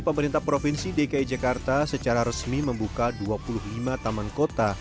pemerintah provinsi dki jakarta secara resmi membuka dua puluh lima taman kota